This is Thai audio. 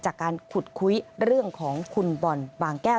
จากการขุดคุยเรื่องของคุณบอลบางแก้ว